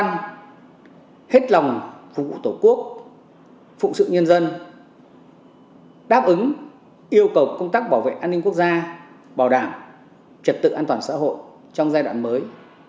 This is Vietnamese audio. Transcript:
công an hết lòng phụ tổ quốc phụ sự nhân dân đáp ứng yêu cầu công tác bảo vệ an ninh quốc gia bảo đảm trật tự an toàn xã hội trong giai đoạn mới